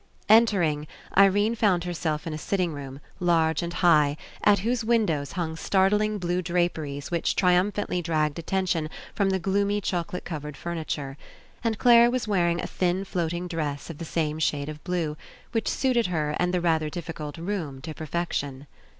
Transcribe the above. Entering, Irene found herself in a sit ting room, large and high, at whose windows hung startling blue draperies which triumph antly dragged attention from the gloomy choco late coloured furniture. And Clare was wearing a thin floating dress of the same shade of blue, which suited her and the rather difficult room to perfection.